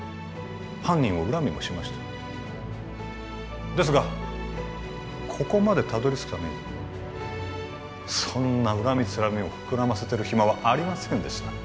犯人を恨みもしましたですがここまでたどり着くためにそんな恨みつらみを膨らませてる暇はありませんでした